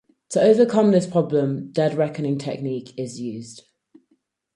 To overcome this problem, dead reckoning technique is used.